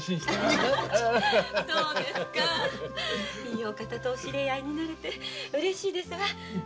いいお方とお知り合いになれてうれしいですわ。